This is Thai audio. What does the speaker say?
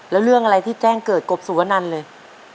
แล้วเรื่องอะไรที่แจ้งเกิดกบสุวนันเลย